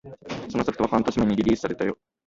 そのソフトは半年前にリリースされたよ